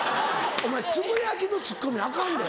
お前つぶやきのツッコミアカンでそれ。